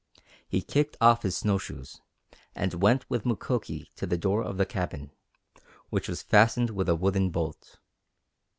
He kicked off his snow shoes, and went with Mukoki to the door of the cabin, which was fastened with a wooden bolt.